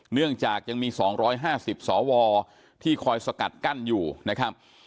เนื่องจากยังมีสองร้อยห้าสิบสอวอที่คอยสกัดกั้นอยู่นะครับ